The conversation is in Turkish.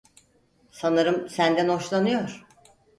Sanırım senden hoşlanıyor.